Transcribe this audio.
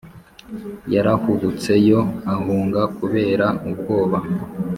Yarahubutse yo ahunga kubera ubwoba